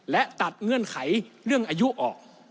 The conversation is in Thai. และตัดเงื่อนไขเรื่องอายุออก